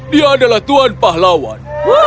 dia adalah tuhan pahlawan